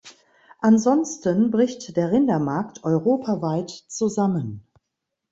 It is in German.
Ansonsten bricht der Rindermarkt europaweit zusammen.